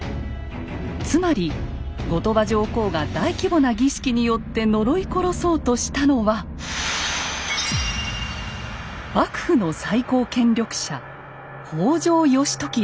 つまり後鳥羽上皇が大規模な儀式によって呪い殺そうとしたのは幕府の最高権力者北条義時です。